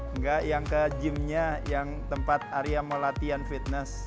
enggak yang ke gym nya yang tempat arya mau latihan fitness